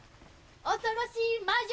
恐ろしい魔女！